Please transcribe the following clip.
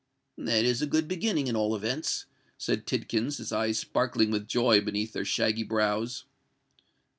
"That is a good beginning, at all events," said Tidkins, his eyes sparkling with joy beneath their shaggy brows.